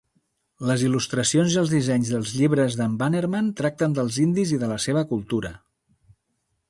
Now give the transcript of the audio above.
Les il·lustracions i els dissenys dels llibres de"n Bannerman tracten dels indis i de la seva cultura.